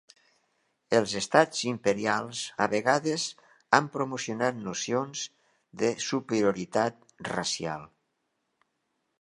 Els estats imperials a vegades han promocionat nocions de superioritat racial.